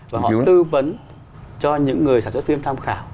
và cứu tư vấn cho những người sản xuất phim tham khảo